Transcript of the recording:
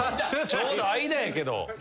ちょうど間やけど。